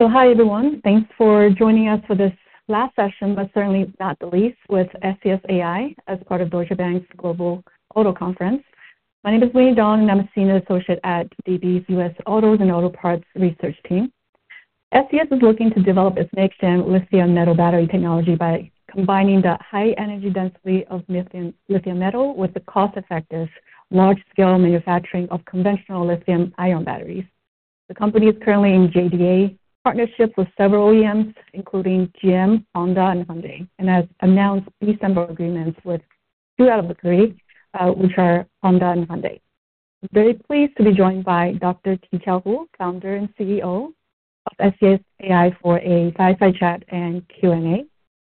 So hi, everyone. Thanks for joining us for this last session, but certainly not the least, with SES AI as part of Deutsche Bank's Global Auto Conference. My name is Winnie Dong, and I'm a senior associate at DB's U.S. Autos and Auto Parts Research Team. SES is looking to develop its next-gen lithium metal battery technology by combining the high energy density of lithium metal with the cost-effective, large-scale manufacturing of conventional lithium-ion batteries. The company is currently in JDA partnerships with several OEMs, including GM, Honda, and Hyundai, and has announced B-sample agreements with two out of the three, which are Honda and Hyundai. I'm very pleased to be joined by Dr. Qichao Hu, Founder and CEO of SES AI, for a side-by-side chat and Q&A.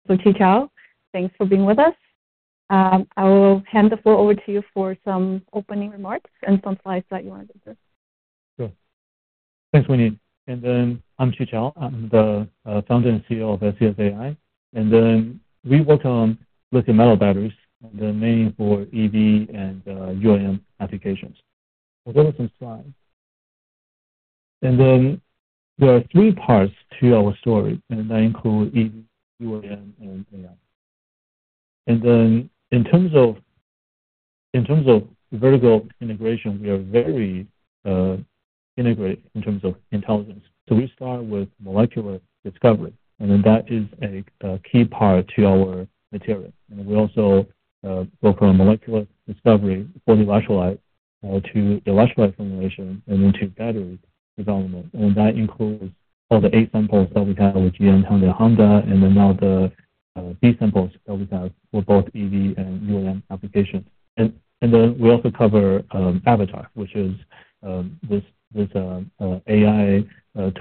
So Qichao, thanks for being with us.I will hand the floor over to you for some opening remarks and some slides that you want to discuss. Sure. Thanks, Winnie. And then I'm Qichao. I'm the Founder and CEO of SES AI. And then we work on lithium metal batteries, and they're mainly for EV and UAM applications. I'll go with some slides. And then there are three parts to our story, and that includes EV, UAM, and AI. And then in terms of vertical integration, we are very integrated in terms of intelligence. So we start with molecular discovery, and then that is a key part to our material. And we also work on molecular discovery for the electrolyte to electrolyte formulation and into battery development. And that includes all the A-samples that we have with GM, Hyundai, Honda, and then now the B-samples that we have for both EV and UAM applications. And then we also cover Avatar, which is this AI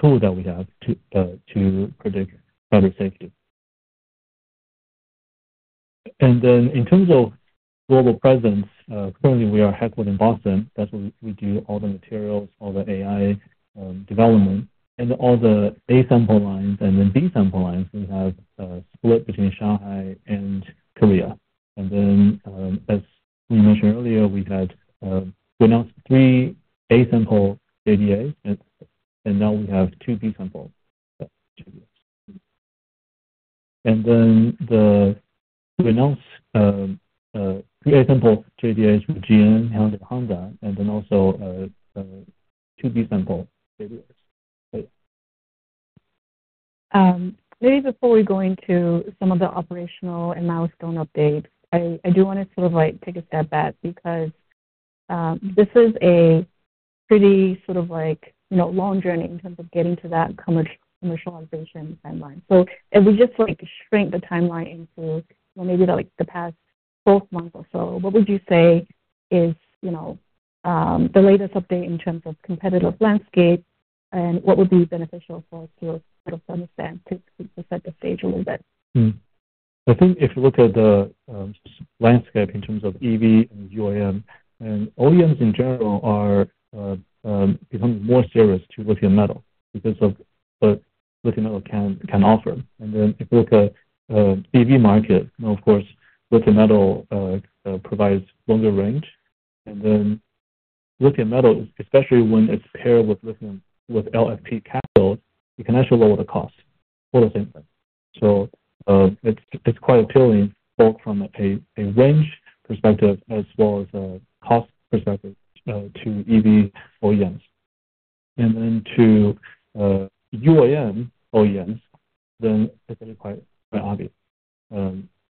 tool that we have to predict battery safety. In terms of global presence, currently we are headquartered in Boston. That's where we do all the materials, all the AI development, and all the A-sample lines and then B-sample lines. We have split between Shanghai and Korea. As we mentioned earlier, we announced three A-sample JDAs, and now we have two B-sample JDAs. And then we announced three A-sample JDAs with GM, Hyundai, Honda, and then also two B-sample JDAs. Maybe before we go into some of the operational and milestone updates, I do want to sort of take a step back because this is a pretty sort of long journey in terms of getting to that commercialization timeline. So if we just shrink the timeline into maybe the past 12 months or so, what would you say is the latest update in terms of competitive landscape, and what would be beneficial for us to sort of understand to set the stage a little bit? I think if you look at the landscape in terms of EV and UAM, and OEMs in general are becoming more serious to lithium metal because of what lithium metal can offer. And then if you look at the EV market, of course, lithium metal provides longer range. And then lithium metal, especially when it's paired with LFP cathodes, it can actually lower the cost for the same thing. So it's quite appealing both from a range perspective as well as a cost perspective to EV OEMs. And then to UAM OEMs, then it's actually quite obvious.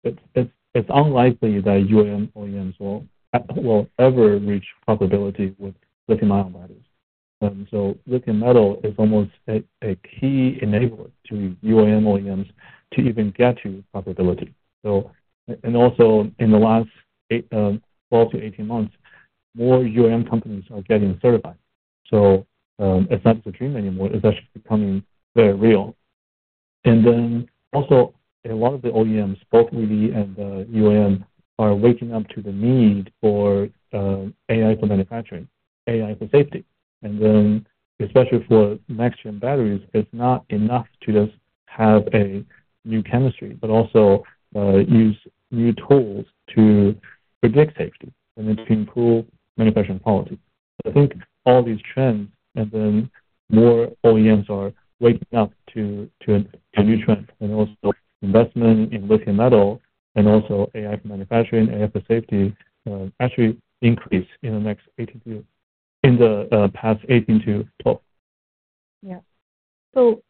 It's unlikely that UAM OEMs will ever reach profitability with lithium-ion batteries. And so lithium metal is almost a key enabler to UAM OEMs to even get to profitability. And also in the last 12-18 months, more UAM companies are getting certified. So it's not just a dream anymore. It's actually becoming very real. And then also a lot of the OEMs, both EV and UAM, are waking up to the need for AI for manufacturing, AI for safety. And then especially for next-gen batteries, it's not enough to just have a new chemistry, but also use new tools to predict safety and to improve manufacturing quality. I think all these trends and then more OEMs are waking up to a new trend. And also investment in lithium metal and also AI for manufacturing, AI for safety actually increase in the next 18-12. Yeah. So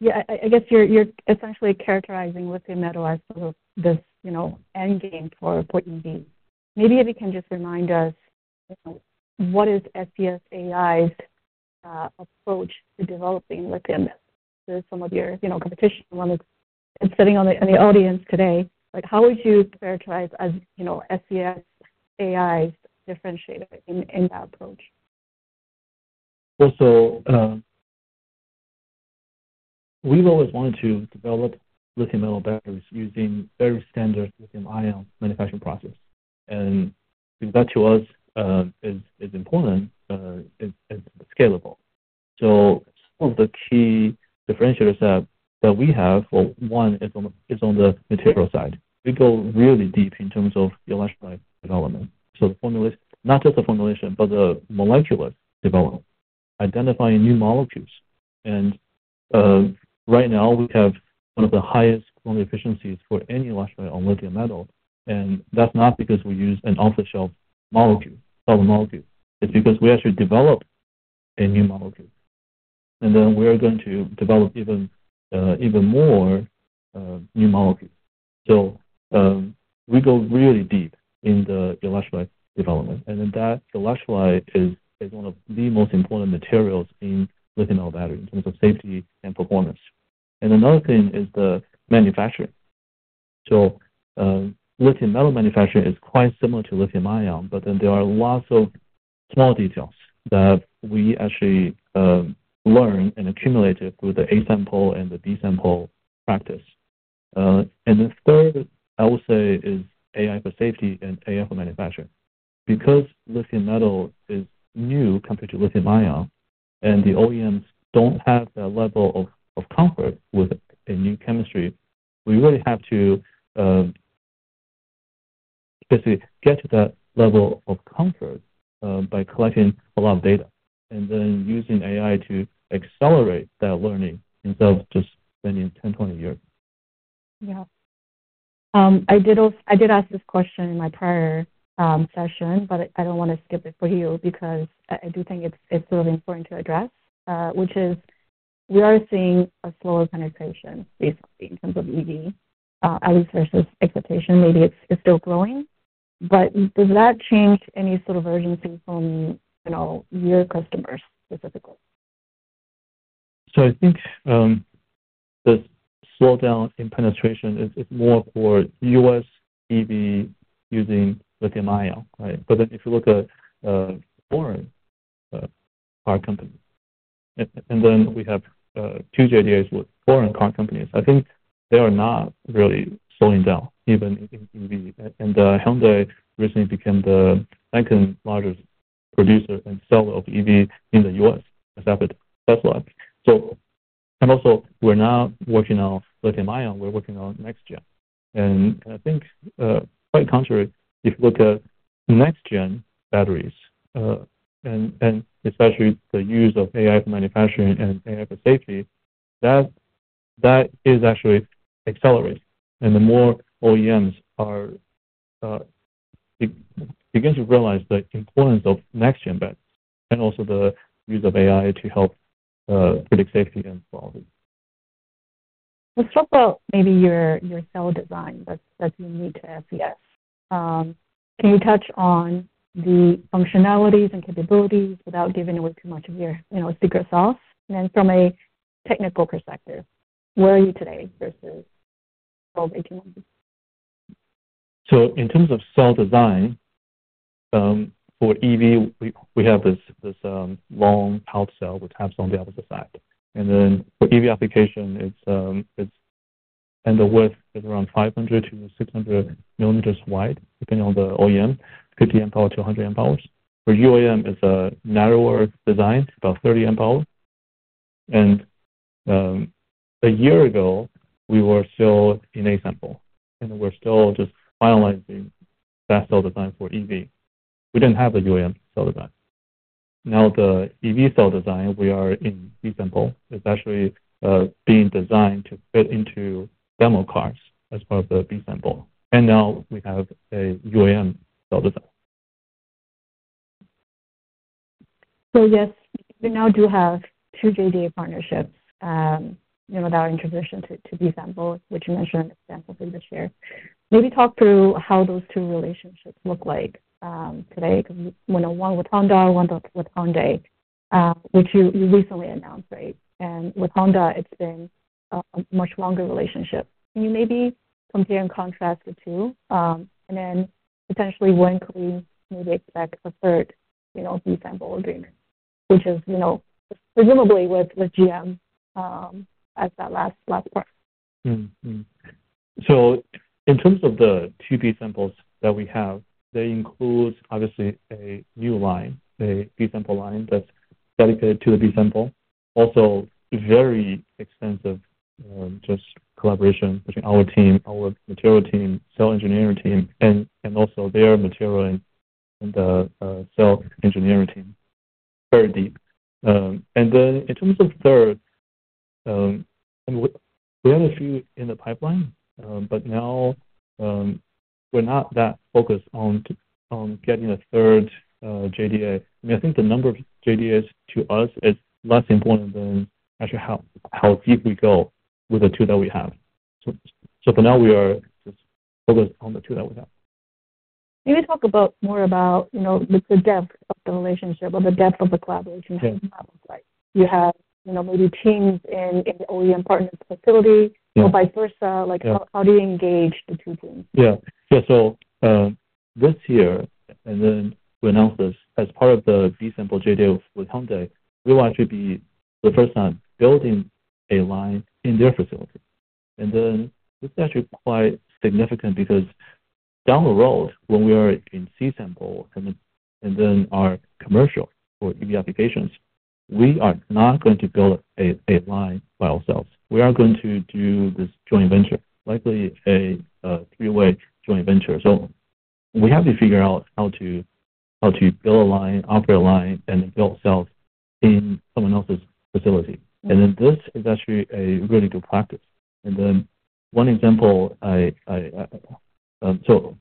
yeah, I guess you're essentially characterizing lithium metal as sort of this end game for EV. Maybe if you can just remind us, what is SES AI's approach to developing lithium? There's some of your competition. It's sitting on the audience today. How would you characterize SES AI's differentiator in that approach? Well, so we've always wanted to develop lithium metal batteries using very standard lithium-ion manufacturing processes. And that to us is important and scalable. So some of the key differentiators that we have, well, one is on the material side. We go really deep in terms of electrolyte development. So not just the formulation, but the molecular development, identifying new molecules. And right now we have one of the highest quality efficiencies for any electrolyte on lithium metal. And that's not because we use an off-the-shelf molecule, solid molecule. It's because we actually develop a new molecule. And then we're going to develop even more new molecules. So we go really deep in the electrolyte development. And then that electrolyte is one of the most important materials in lithium-ion batteries in terms of safety and performance. And another thing is the manufacturing. So lithium metal manufacturing is quite similar to lithium-ion, but then there are lots of small details that we actually learn and accumulate through the A-sample and the B-sample practice. And the third, I would say, is AI for safety and AI for manufacturing. Because lithium metal is new compared to lithium-ion, and the OEMs don't have that level of comfort with a new chemistry, we really have to basically get to that level of comfort by collecting a lot of data and then using AI to accelerate that learning instead of just spending 10, 20 years. Yeah. I did ask this question in my prior session, but I don't want to skip it for you because I do think it's really important to address, which is we are seeing a slower penetration basically in terms of EV, at least versus expectation. Maybe it's still growing, but does that change any sort of urgency from your customers specifically? So I think the slowdown in penetration is more for U.S. EV using lithium-ion, right? But then if you look at foreign car companies, and then we have two JDAs with foreign car companies, I think they are not really slowing down, even in EV. And Hyundai recently became the second largest producer and seller of EV in the U.S., as after Tesla. And also we're not working on lithium-ion. We're working on next-gen. And I think quite contrary, if you look at next-gen batteries, and especially the use of AI for manufacturing and AI for safety, that is actually accelerating. And the more OEMs begin to realize the importance of next-gen batteries and also the use of AI to help predict safety and quality. Let's talk about maybe your cell design that's unique to SES. Can you touch on the functionalities and capabilities without giving away too much of your secret sauce? And then from a technical perspective, where are you today versus 12-18 months? So in terms of cell design for EV, we have this long health cell with tabs on the opposite side. And then for EV application, it's end of width is around 500 mm-600 mm wide, depending on the OEM, 50 amp hour-100 amp hours. For UAM, it's a narrower design, about 30 amp hour. And a year ago, we were still in A-sample, and we're still just finalizing that cell design for EV. We didn't have the UAM cell design. Now the EV cell design we are in B-sample is actually being designed to fit into demo cars as part of the B-sample. And now we have a UAM cell design. So yes, we now do have two JDA partnerships that are in transition to B-sample, which you mentioned an example for this year. Maybe talk through how those two relationships look like today, because one with Honda, one with Hyundai, which you recently announced, right? And with Honda, it's been a much longer relationship. Can you maybe compare and contrast the two? And then potentially, when can we maybe expect a third B-sample agreement, which is presumably with GM as that last part? So in terms of the two B-samples that we have, they include obviously a new line, a B-sample line that's dedicated to the B-sample. Also, very extensive just collaboration between our team, our material team, cell engineering team, and also their material and the cell engineering team. Very deep. And then in terms of third, we had a few in the pipeline, but now we're not that focused on getting a third JDA. I mean, I think the number of JDAs to us is less important than actually how deep we go with the two that we have. So for now, we are just focused on the two that we have. Maybe talk more about the depth of the relationship or the depth of the collaboration. How does that look like? You have maybe teams in the OEM partners facility. Vice versa, how do you engage the two teams? Yeah. Yeah. So this year, and then we announced this as part of the B-sample JDA with Hyundai, we will actually be for the first time building a line in their facility. And then this is actually quite significant because down the road, when we are in C-sample and then our commercial for EV applications, we are not going to build a line by ourselves. We are going to do this joint venture, likely a three-way joint venture. So we have to figure out how to build a line, operate a line, and then build ourselves in someone else's facility. And then this is actually a really good practice. And then one example, so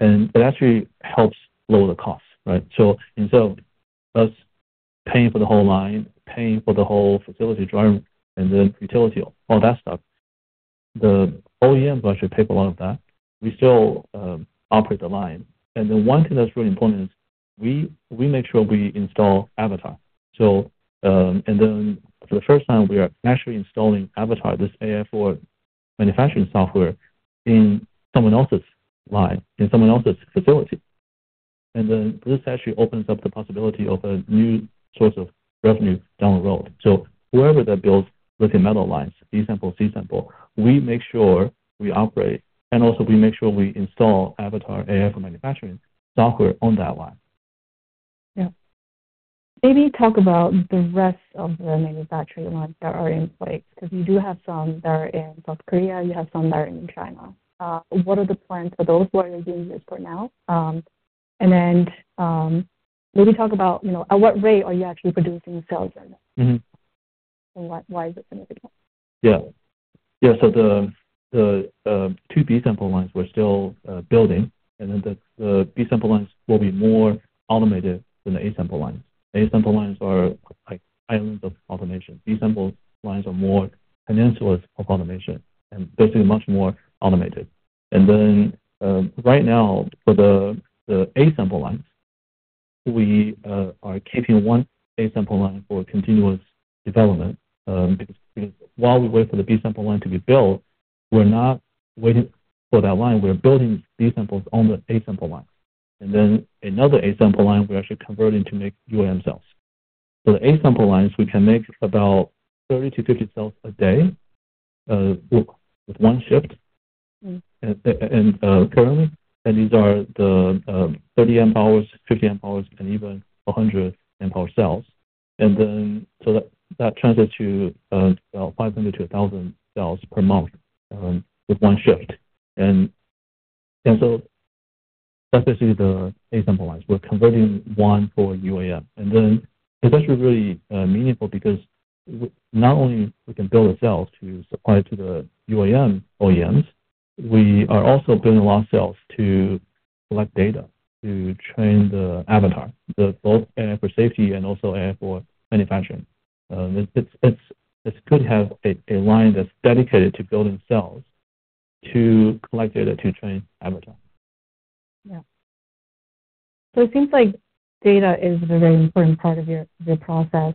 and it actually helps lower the cost, right? So instead of us paying for the whole line, paying for the whole facility driving and then utility on that stuff, the OEMs will actually pay for a lot of that. We still operate the line. And then one thing that's really important is we make sure we install Avatar. And then for the first time, we are actually installing Avatar, this AI for manufacturing software, in someone else's line, in someone else's facility. And then this actually opens up the possibility of a new source of revenue down the road. So whoever that builds lithium metal lines, B-sample, C-sample, we make sure we operate. And also we make sure we install Avatar AI for manufacturing software on that line. Yeah. Maybe talk about the rest of the manufacturing lines that are in place, because you do have some that are in South Korea. You have some that are in China. What are the plans for those? What are your uses for now? And then maybe talk about at what rate are you actually producing cells right now? And why is it significant? Yeah. Yeah. So the 2 B-sample lines we're still building, and then the B-sample lines will be more automated than the A-sample lines. A-sample lines are islands of automation. B-sample lines are more peninsulas of automation and basically much more automated. And then right now, for the A-sample lines, we are keeping 1 A-sample line for continuous development. Because while we wait for the B-sample line to be built, we're not waiting for that line. We're building B-samples on the A-sample line. And then another A-sample line we're actually converting to make UAM cells. So the A-sample lines, we can make about 30-50 cells a day with 1 shift. And currently, and these are the 30 amp hours, 50 amp hours, and even 100 amp hour cells. And then so that translates to about 500-1,000 cells per month with 1 shift. So that's basically the A-sample lines. We're converting one for UAM. And then it's actually really meaningful because not only can we build the cells to supply to the UAM OEMs, we are also building a lot of cells to collect data, to train the Avatar, both AI for safety and also AI for manufacturing. It's good to have a line that's dedicated to building cells to collect data to train Avatar. Yeah. So it seems like data is a very important part of your process.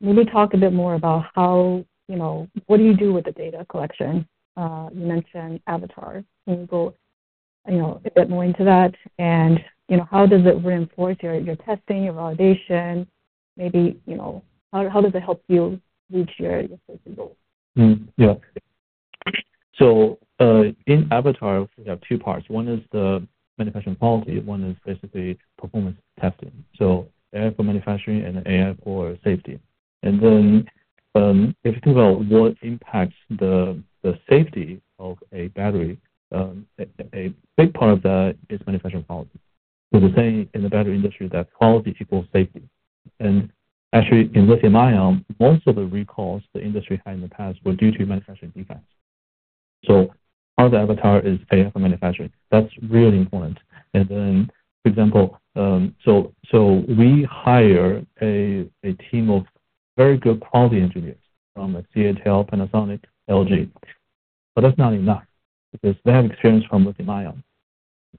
Maybe talk a bit more about how, what do you do with the data collection? You mentioned Avatar. Can you go a bit more into that? And how does it reinforce your testing, your validation? Maybe how does it help you reach your safety goals? Yeah. So in Avatar, we have two parts. One is the manufacturing quality. One is basically performance testing. So AI for manufacturing and AI for safety. And then if you think about what impacts the safety of a battery, a big part of that is manufacturing quality. So the saying in the battery industry that quality equals safety. And actually, in lithium-ion, most of the recalls the industry had in the past were due to manufacturing defects. So part of the Avatar is AI for manufacturing. That's really important. And then, for example, so we hire a team of very good quality engineers from CATL, Panasonic, LG. But that's not enough because they have experience from lithium-ion.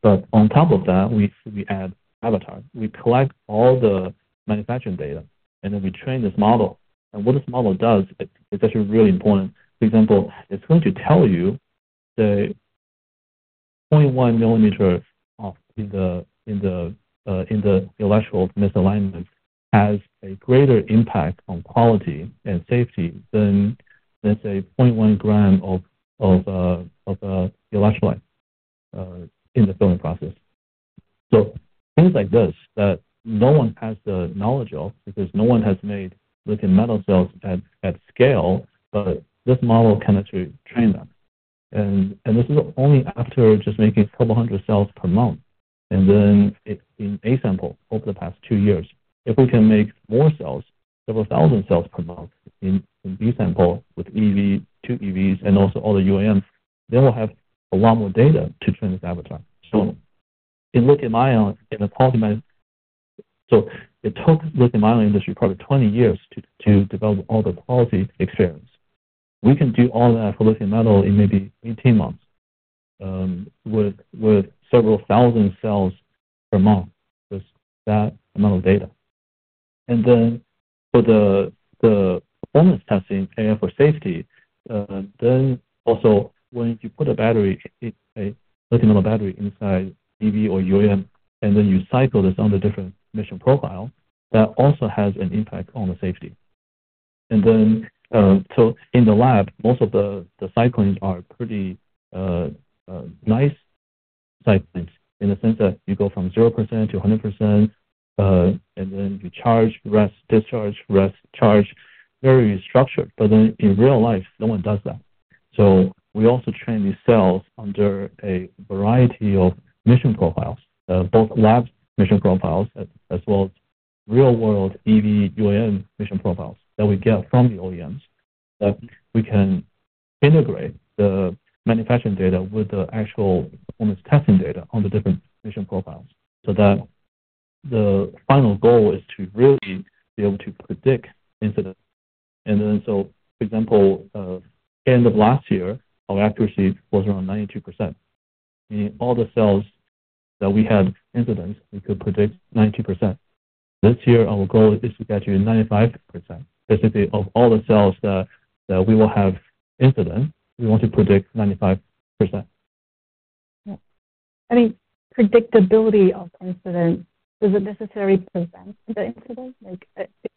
But on top of that, we add Avatar. We collect all the manufacturing data, and then we train this model. And what this model does, it's actually really important. For example, it's going to tell you the 0.1 mm in the electrical misalignment has a greater impact on quality and safety than, let's say, 0.1 g of electrolyte in the filling process. So things like this that no one has the knowledge of because no one has made lithium metal cells at scale, but this model can actually train them. And this is only after just making 200 cells per month. And then in A-sample over the past 2 years, if we can make more cells, several thousand cells per month in B-sample with 2 EVs and also all the UAMs, then we'll have a lot more data to train this Avatar. So in lithium-ion, in the quality manufacturing, so it took the lithium-ion industry probably 20 years to develop all the quality experience. We can do all that for Lithium Metal in maybe 18 months with several thousand cells per month with that amount of data. And then for the performance testing, AI for safety, then also when you put a battery, a Lithium Metal battery inside EV or UAM, and then you cycle this on the different mission profile, that also has an impact on the safety. And then so in the lab, most of the cyclings are pretty nice cyclings in the sense that you go from 0% to 100%, and then you charge, rest, discharge, rest, charge, very structured. But then in real life, no one does that. So we also train these cells under a variety of mission profiles, both lab mission profiles as well as real-world EV UAM mission profiles that we get from the OEMs, that we can integrate the manufacturing data with the actual performance testing data on the different mission profiles. So that the final goal is to really be able to predict incidents. And then so, for example, at the end of last year, our accuracy was around 92%. Meaning all the cells that we had incidents, we could predict 92%. This year, our goal is to get to 95%. Basically, of all the cells that we will have incidents, we want to predict 95%. Yeah. I mean, predictability of incidents, does it necessarily prevent the incident?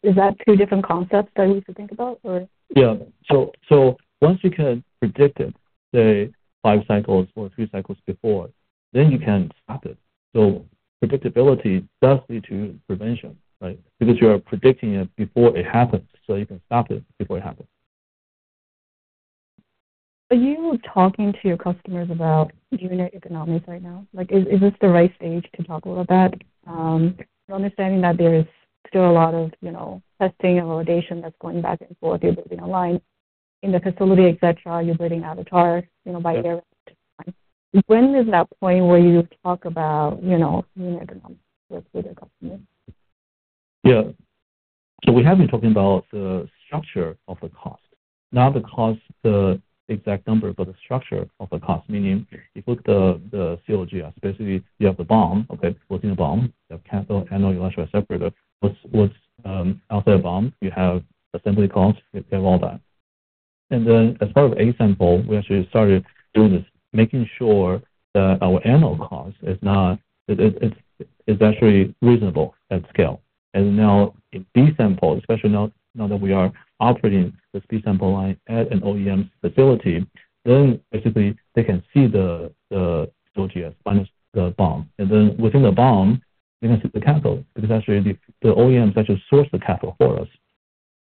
Is that two different concepts that we should think about, or? Yeah. So once you can predict it, say 5 cycles or 3 cycles before, then you can stop it. So predictability does lead to prevention, right? Because you are predicting it before it happens, so you can stop it before it happens. Are you talking to your customers about unit economics right now? Is this the right stage to talk about that, understanding that there is still a lot of testing and validation that's going back and forth? You're building a line in the facility, etc. You're building Avatar, AI line to the line. When is that point where you talk about unit economics with your customers? Yeah. So we have been talking about the structure of the cost. Not the cost, the exact number, but the structure of the cost. Meaning if we look at the COGS, basically you have the BOM, okay? Within the BOM, you have anode, electrolyte, separator. What's outside the BOM? You have assembly costs. You have all that. And then as part of A-sample, we actually started doing this, making sure that our anode cost is actually reasonable at scale. And now in B-sample, especially now that we are operating this B-sample line at an OEM's facility, then basically they can see the COGS minus the BOM. And then within the BOM, they can see the cathode because actually the OEMs actually source the cathode for us.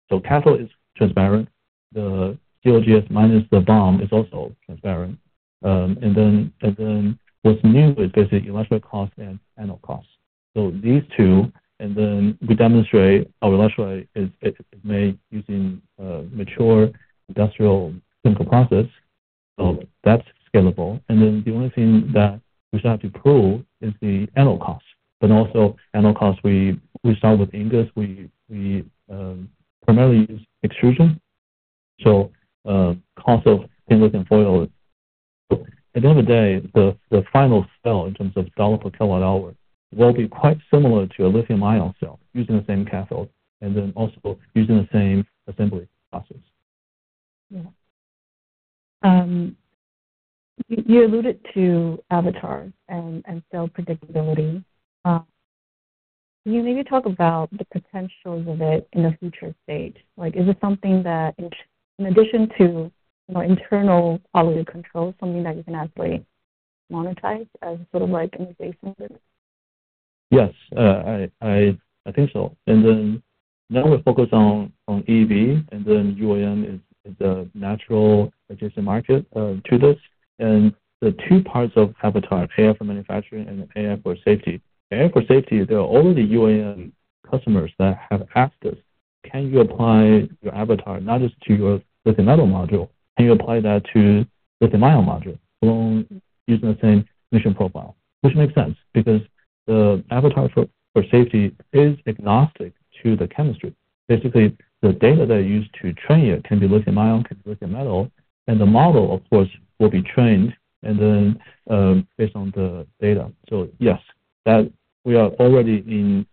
So cathode is transparent. The COGS minus the BOM is also transparent. And then what's new is basically electrolyte costs and anode costs. So these two, and then we demonstrate our electrolyte is made using mature industrial chemical process. So that's scalable. And then the only thing that we still have to prove is the anode costs. But also anode costs, we start with ingots. We primarily use extrusion. So cost of thin lithium foil. At the end of the day, the final cell in terms of $/kWh will be quite similar to a lithium-ion cell using the same cathode and then also using the same assembly process. Yeah. You alluded to Avatar and cell predictability. Can you maybe talk about the potentials of it in a future state? Is it something that, in addition to internal quality control, something that you can actually monetize as sort of like an adjacent business? Yes. I think so. Now we're focused on EV, and then UAM is a natural adjacent market to this. And the two parts of Avatar, AI for manufacturing and AI for safety. AI for safety, there are already UAM customers that have asked us, "Can you apply your Avatar not just to your lithium metal module? Can you apply that to lithium-ion module?" Along using the same mission profile, which makes sense because the Avatar for safety is agnostic to the chemistry. Basically, the data that is used to train it can be lithium-ion, can be lithium metal, and the model, of course, will be trained and then based on the data. So yes, we are already in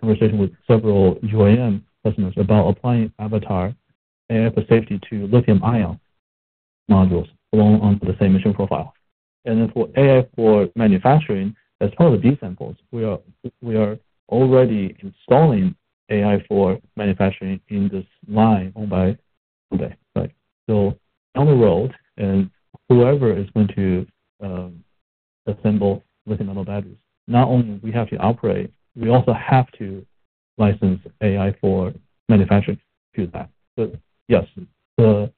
conversation with several UAM customers about applying Avatar, AI for safety to lithium-ion modules along the same mission profile. Then for AI for manufacturing, as part of the B-samples, we are already installing AI for manufacturing in this line owned by Hyundai, right? So down the road, and whoever is going to assemble lithium metal batteries, not only do we have to operate, we also have to license AI for manufacturing to that. But yes, the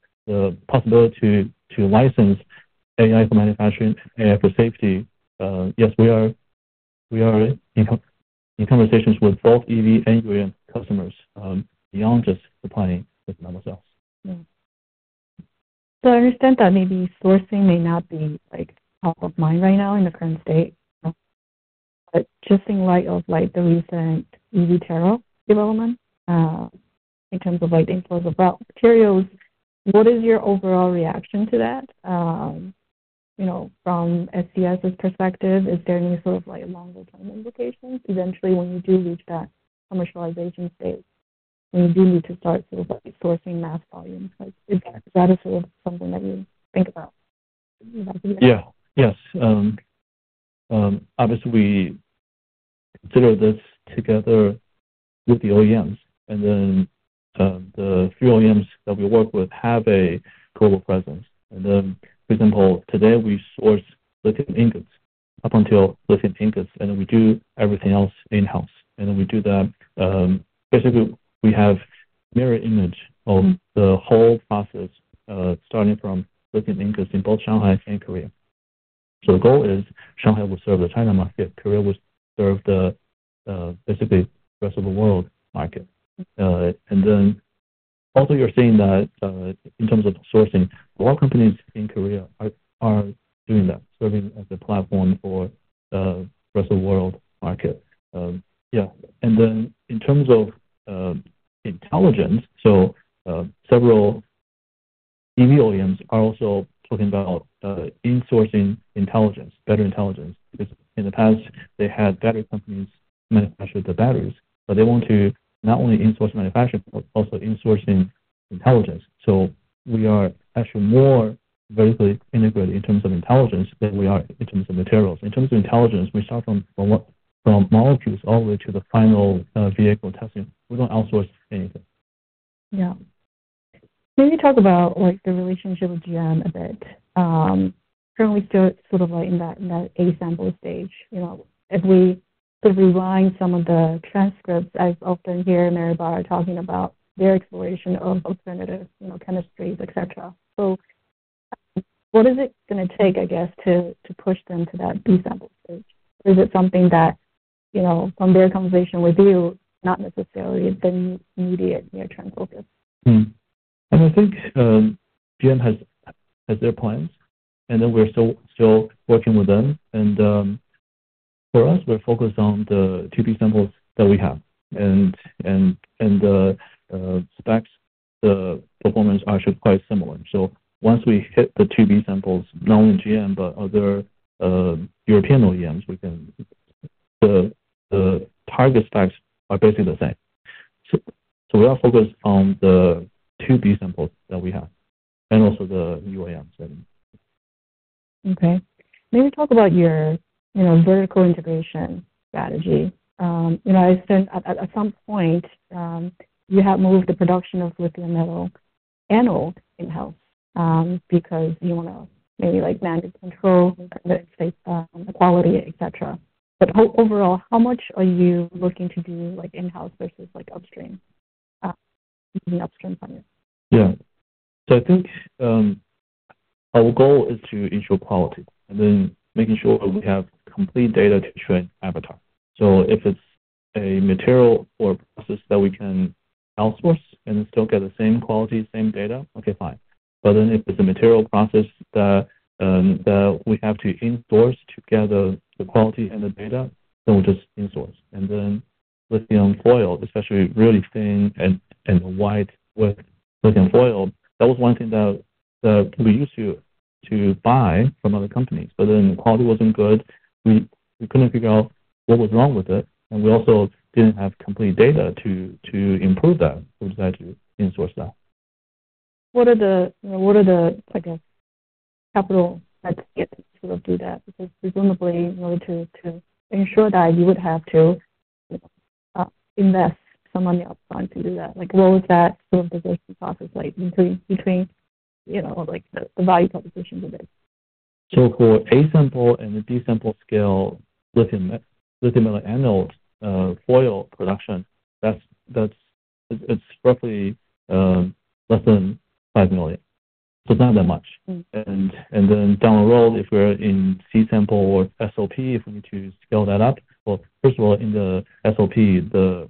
possibility to license AI for manufacturing, AI for safety, yes, we are in conversations with both EV and UAM customers beyond just supplying lithium metal cells. Yeah. So I understand that maybe sourcing may not be top of mind right now in the current state. But just in light of the recent EV Terra development in terms of inflows of raw materials, what is your overall reaction to that? From SES's perspective, is there any sort of longer-term implications eventually when you do reach that commercialization stage when you do need to start sort of sourcing mass volumes? Is that sort of something that you think about? Yeah. Yes. Obviously, we consider this together with the OEMs. And then the few OEMs that we work with have a global presence. And then, for example, today we source lithium ingots up until lithium ingots, and then we do everything else in-house. And then we do that. Basically, we have a mirror image of the whole process starting from lithium ingots in both Shanghai and Korea. So the goal is Shanghai will serve the China market. Korea will serve the basically rest of the world market. And then also you're seeing that in terms of sourcing, a lot of companies in Korea are doing that, serving as a platform for the rest of the world market. Yeah. And then in terms of intelligence, so several EV OEMs are also talking about insourcing intelligence, better intelligence. Because in the past, they had battery companies manufacture the batteries, but they want to not only insource manufacturing, but also insourcing intelligence. So we are actually more vertically integrated in terms of intelligence than we are in terms of materials. In terms of intelligence, we start from molecules all the way to the final vehicle testing. We don't outsource anything. Yeah. Can you talk about the relationship with GM a bit? Currently, still sort of in that A-sample stage. If we sort of rely on some of the transcripts, I've often heard Mary Barra talking about their exploration of alternative chemistries, etc. So what is it going to take, I guess, to push them to that B-sample stage? Or is it something that, from their conversation with you, not necessarily the immediate near-term focus? I think GM has their plans, and then we're still working with them. For us, we're focused on the B-samples that we have. The specs, the performance are actually quite similar. Once we hit the B-samples, not only GM, but other European OEMs, the target specs are basically the same. We are focused on the B-samples that we have and also the UAMs. Okay. Maybe talk about your vertical integration strategy. I understand at some point you have moved the production of Lithium Metal anode in-house because you want to maybe manage quality control, etc. But overall, how much are you looking to do in-house versus upstream, using upstream funding? Yeah. So I think our goal is to ensure quality and then making sure we have complete data to train Avatar. So if it's a material or a process that we can outsource and still get the same quality, same data, okay, fine. But then if it's a material process that we have to insource to get the quality and the data, then we just insource. And then lithium foil, especially really thin and wide with lithium foil, that was one thing that we used to buy from other companies. But then the quality wasn't good. We couldn't figure out what was wrong with it. And we also didn't have complete data to improve that. We decided to insource that. What are the, I guess, capital that you get to sort of do that? Because presumably, in order to ensure that you would have to invest some money upfront to do that, what was that sort of business process between the value proposition to this? So for A-sample and the B-sample scale, lithium metal annual foil production, it's roughly less than 5 million. So it's not that much. And then down the road, if we're in C-sample or SOP, if we need to scale that up, well, first of all, in the SOP, the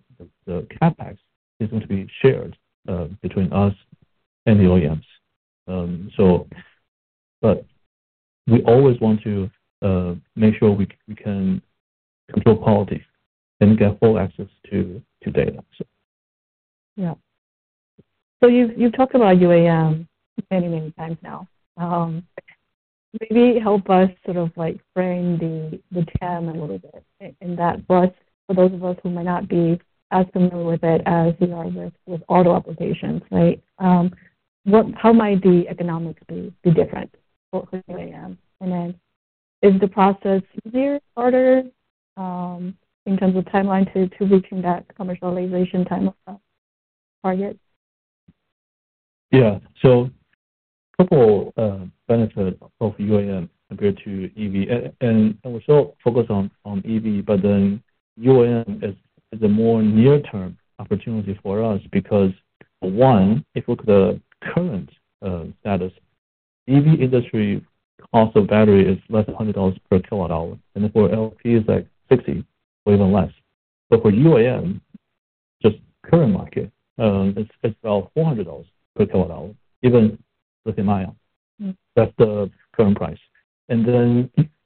CapEx is going to be shared between us and the OEMs. But we always want to make sure we can control quality and get full access to data. Yeah. So you've talked about UAM many, many times now. Maybe help us sort of frame the TAM a little bit in that. For those of us who might not be as familiar with it as you are with auto applications, right? How might the economics be different for UAM? And then is the process easier, harder in terms of timeline to reaching that commercialization time target? Yeah. So a couple of benefits of UAM compared to EV. And we're still focused on EV, but then UAM is a more near-term opportunity for us because, for one, if we look at the current status, EV industry cost of battery is less than $100 per kWh. And for LFP, it's like $60 or even less. But for UAM, just current market, it's about $400 per kWh, even lithium-ion. That's the current price. And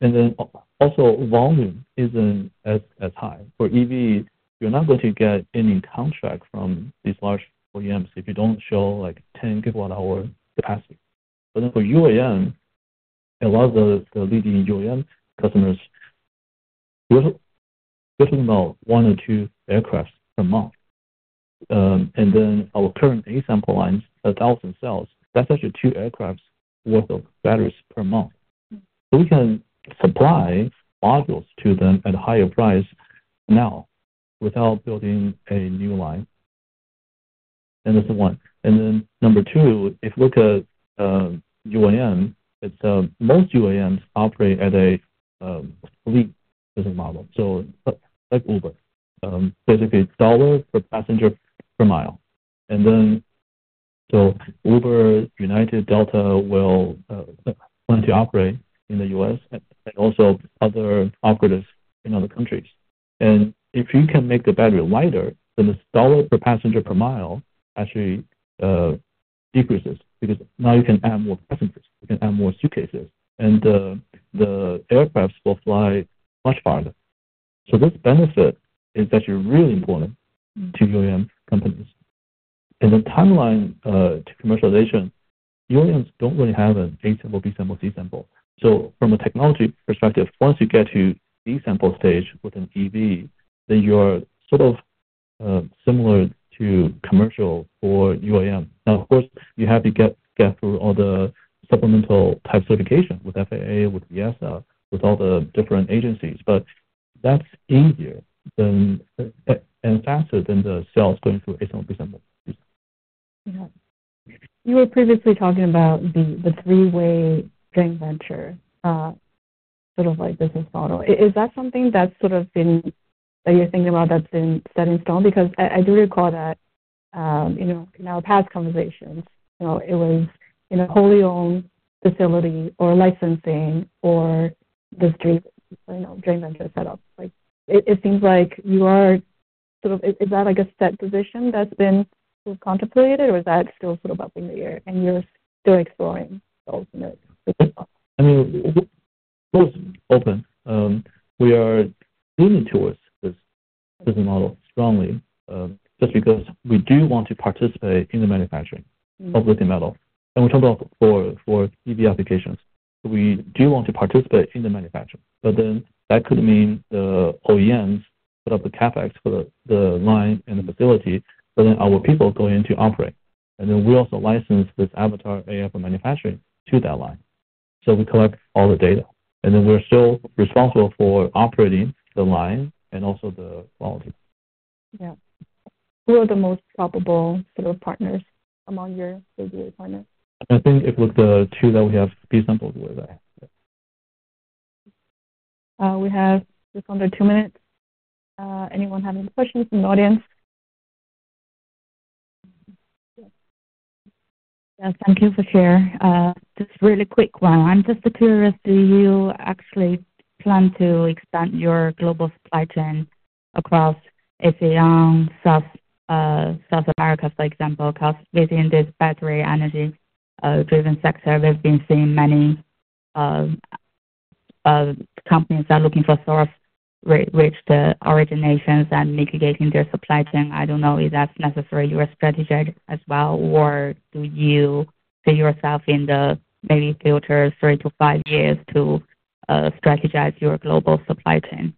then also volume isn't as high. For EV, you're not going to get any contract from these large OEMs if you don't show like 10 kWh capacity. But then for UAM, a lot of the leading UAM customers will not want to do aircraft per month. And then our current A-sample lines, 1,000 cells, that's actually 2 aircraft worth of batteries per month. So we can supply modules to them at a higher price now without building a new line. And that's one. And then number 2, if you look at UAM, most UAMs operate at a fleet business model. So like Uber, basically $ per passenger per mile. And then so Uber, United, Delta will want to operate in the U.S. and also other operators in other countries. And if you can make the battery lighter, then the $ per passenger per mile actually decreases because now you can add more passengers. You can add more suitcases. And the aircraft will fly much farther. So this benefit is actually really important to UAM companies. And the timeline to commercialization, UAMs don't really have an A-sample, B-sample, C-sample. So from a technology perspective, once you get to B-sample stage with an EV, then you are sort of similar to commercial for UAM. Now, of course, you have to get through all the supplemental type certification with FAA, with EASA, with all the different agencies. But that's easier and faster than the cells going through A-sample, B-sample. Yeah. You were previously talking about the three-way joint venture sort of business model. Is that something that's sort of been that you're thinking about that's been set in stone? Because I do recall that in our past conversations, it was in a wholly owned facility or licensing or the joint venture setup. It seems like you are sort of is that like a set position that's been sort of contemplated, or is that still sort of up in the air? And you're still exploring those? I mean, both open. We are leaning towards this business model strongly just because we do want to participate in the manufacturing of lithium metal. And we talked about for EV applications. So we do want to participate in the manufacturing. But then that could mean the OEMs put up the CapEx for the line and the facility, but then our people go into operate. And then we also license this Avatar AI for manufacturing to that line. So we collect all the data. And then we're still responsible for operating the line and also the quality. Yeah. Who are the most probable sort of partners among your UAM partners? I think if we look at the two that we have, B-sample is where they're at. We have just under 2 minutes. Anyone have any questions from the audience? Yeah. Thank you for sharing. Just a really quick one. I'm just curious, do you actually plan to expand your global supply chain across ASEAN, South America, for example, across within this battery energy-driven sector? We've been seeing many companies that are looking for source rich originations and mitigating their supply chain. I don't know, is that necessarily your strategy as well, or do you see yourself in the maybe future three to five years to strategize your global supply chain?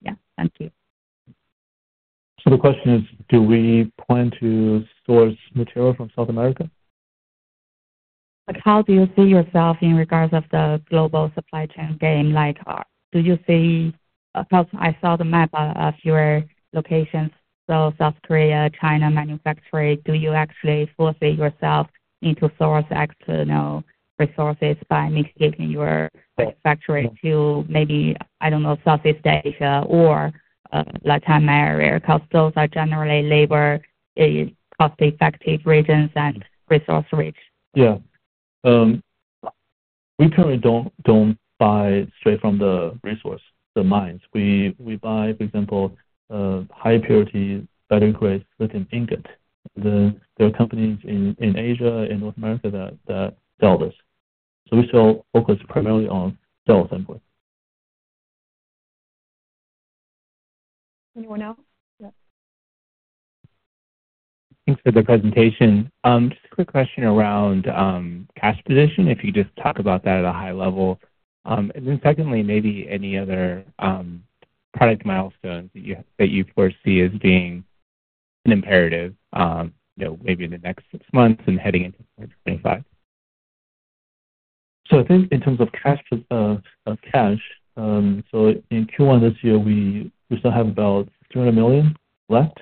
Yeah. Thank you. So the question is, do we plan to source material from South America? How do you see yourself in regard to the global supply chain game? Do you see, because I saw the map of your locations, so South Korea, China manufacturing, do you actually force yourself into source external resources by mitigating your factory to maybe, I don't know, Southeast Asia or Latin America because those are generally labor-cost-effective regions and resource-rich? Yeah. We currently don't buy straight from the resource, the mines. We buy, for example, high-purity, better-grade lithium ingot. There are companies in Asia and North America that sell this. So we still focus primarily on cell sampling. Anyone else? Thanks for the presentation. Just a quick question around cash position, if you just talk about that at a high level. And then secondly, maybe any other product milestones that you foresee as being an imperative maybe in the next six months and heading into 2025? So I think in terms of cash, in Q1 this year, we still have about $300 million left.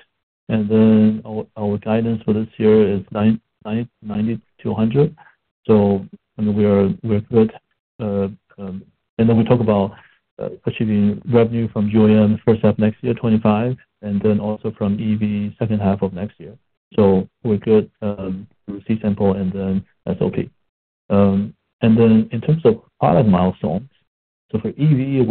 Our guidance for this year is 90-100. I mean, we're good. We talk about achieving revenue from UAM first half next year, 2025, and then also from EV second half of next year. We're good through C-sample and then SOP. In terms of product milestones, for EV,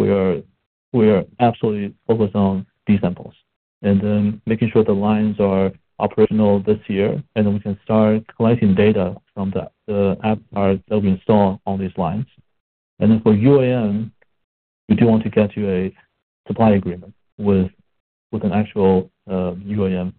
we are absolutely focused on B-samples. Making sure the lines are operational this year, and then we can start collecting data from the Avatar that we install on these lines. For UAM, we do want to get to a supply agreement with an actual UAM business.